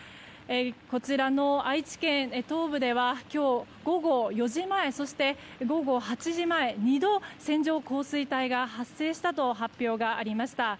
こちらの愛知県東部では今日午後４時前そして午後８時前２度、線状降水帯が発生したと発表がありました。